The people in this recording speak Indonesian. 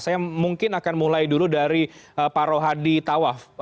saya mungkin akan mulai dulu dari pak rohadi tawaf